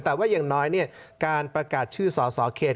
แต่ว่าอย่างน้อยการประกาศชื่อสสเขต